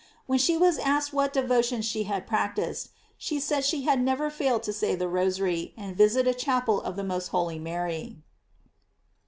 When she was asked what devotion she had practised, she said she had never failed to say the Rosary and visit a chapel of the most holy Mary.